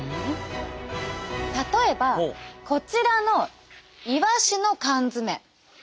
例えばこちらのイワシの缶詰。